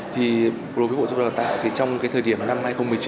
thì đối với bộ giáo dục đào tạo thì trong cái thời điểm năm hai nghìn một mươi chín